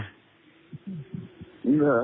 หรือ